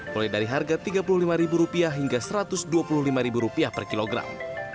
mulai dari harga rp tiga puluh lima hingga rp satu ratus dua puluh lima per kilogram